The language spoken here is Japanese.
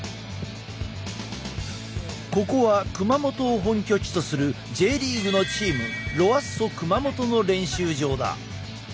ここは熊本を本拠地とするＪリーグのチームロアッソ熊本の練習場だ。